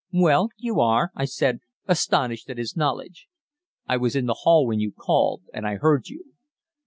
"Well, you are," I said, astonished at his knowledge. "I was in the hall when you called, and I heard you.